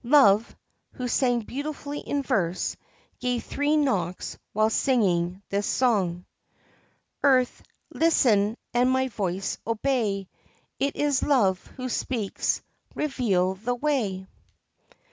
Love, who sang beautifully in verse, gave three knocks while singing this song :' Earth, listen and my voice obey. It is Love who speaks : reveal the way